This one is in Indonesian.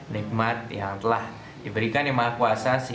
nikmat yang telah diberikan yang maha kuasa